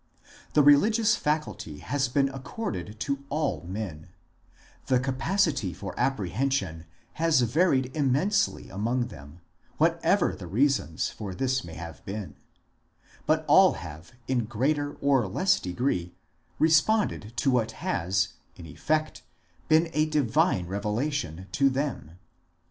The religious faculty has been accorded to all men ; the capacity for apprehension has varied immensely among them, whatever the reasons for this may have been ; but all have in greater or less degree responded to what has, in effect, been a divine revelation to them.